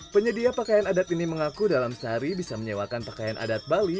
penyedia pakaian adat ini mengaku dalam sehari bisa menyewakan pakaian adat bali